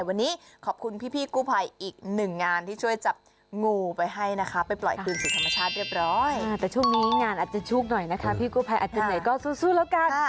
วันนี้ขอบคุณพี่กู้ภัยอีกหนึ่งงานที่ช่วยจับงูไปให้นะคะไปปล่อยคืนสู่ธรรมชาติเรียบร้อยแต่ช่วงนี้งานอาจจะชุกหน่อยนะคะพี่กู้ภัยอาจจะไหนก็สู้แล้วกัน